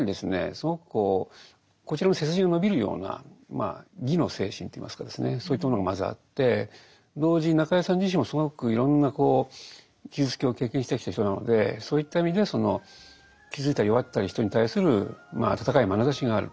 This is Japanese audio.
すごくこちらの背筋が伸びるような「義」の精神といいますかそういったものがまずあって同時に中井さん自身もすごくいろんな傷つきを経験してきた人なのでそういった意味でその傷ついたり弱った人に対する温かいまなざしがあると。